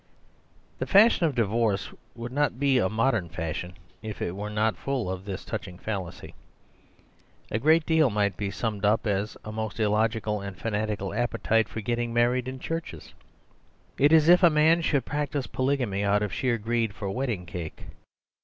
The fashion of divorce would not be a mod ern fashion if it were not full of this touching fallacy. A great deal of it might be summed up as a most illogical and fanatical appetite for getting married in churches. It is as if a man should practice polygamy out of sheer greed for wedding cake.